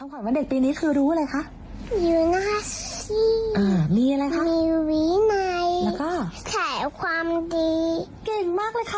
คำขออนุบัติของเด็กปีนี้คือรู้เลยคะ